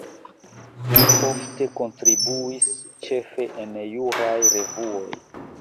Li ofte kontribuis ĉefe en juraj revuoj.